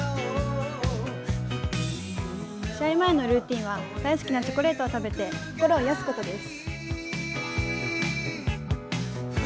試合前のルーチンは大好きなチョコレートを食べて心を癒やすことです。